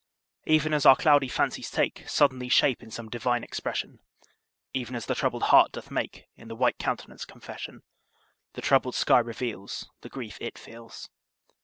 Even as our cloudy fancies take Suddenly shape in some divine expression, Even as the troubled heart doth make In the white countenance confession, The troubled sky reveals The grief it feels.